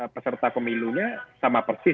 peserta pemilunya sama persis